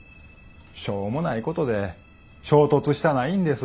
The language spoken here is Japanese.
しょうもないことで衝突したないんです。